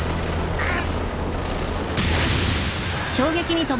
あっ！